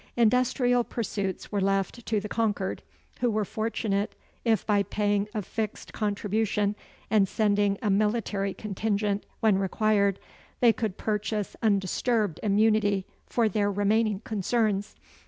Industrial pursuits were left to the conquered, who were fortunate if by paying a fixed contribution and sending a military contingent when required, they could purchase undisturbed immunity for their remaining concerns.